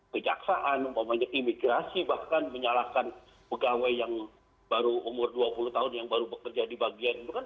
kejaksaan umpamanya imigrasi bahkan menyalahkan pegawai yang baru umur dua puluh tahun yang baru bekerja di bagian itu kan